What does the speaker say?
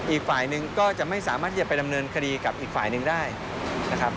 อีกฝ่ายหนึ่งก็จะไม่สามารถที่จะไปดำเนินคดีกับอีกฝ่ายหนึ่งได้นะครับ